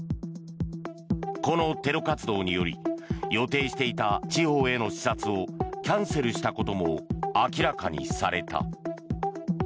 このテロ活動により予定していた地方への視察をキャンセルしたことも明らかにされた。